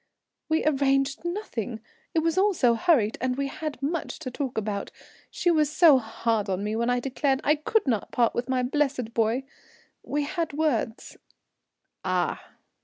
"We arranged nothing. It was all so hurried, and we had much to talk about. She was so hard on me when I declared I could not part with my blessed boy. We had words " "Ah!"